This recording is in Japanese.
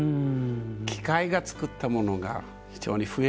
機械が作ったものが非常に増えてきましたからね。